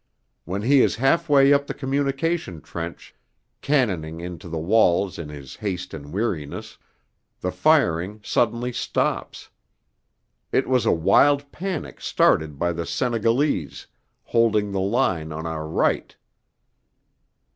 When he is halfway up the communication trench, cannoning into the walls in his haste and weariness, the firing suddenly stops. It was a wild panic started by the Senegalese holding the line on our right.